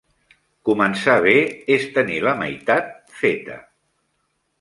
Començar bé és tenir la meitat feta.